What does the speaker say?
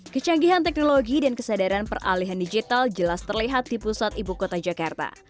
kecanggihan teknologi dan kesadaran peralihan digital jelas terlihat di pusat ibu kota jakarta